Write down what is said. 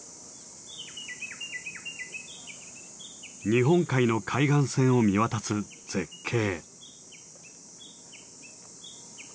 日本海の海岸線を見渡す絶景。